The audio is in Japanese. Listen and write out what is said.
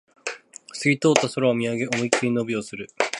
すき通った空を見上げ、思いっきり伸びをする